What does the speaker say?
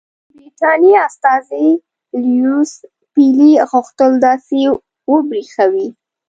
د برټانیې استازي لیویس پیلي غوښتل داسې وبرېښوي.